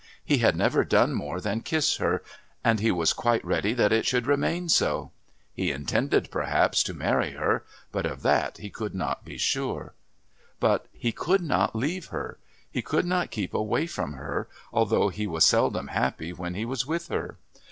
He had never done more than kiss her, and he was quite ready that it should remain so. He intended, perhaps, to marry her, but of that he could not be sure. But he could not leave her; he could not keep away from her although he was seldom happy when he was with her.